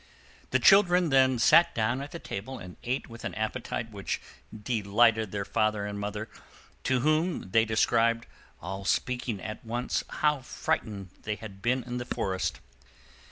The children then sat down at the table, and ate with an appetite which delighted their father and mother, to whom they described, all speaking at once, how frightened they had been in the forest.